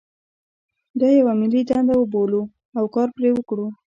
دا یوه ملي دنده وبولو او کار پرې وکړو.